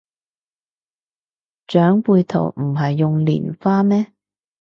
長輩圖唔係用蓮花咩